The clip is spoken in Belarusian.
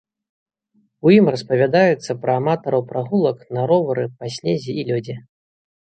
У ім распавядаецца пра аматараў прагулак на ровары па снезе і лёдзе.